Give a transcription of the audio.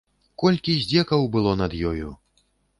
Колькі здзекаў было над ёю!